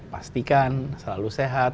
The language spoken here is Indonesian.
pastikan selalu sehat